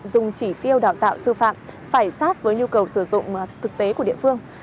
dùng chỉ tiêu đào tạo sư phạm phải sát với nhu cầu sử dụng thực tế của địa phương